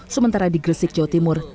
sementara di gresik jawa timur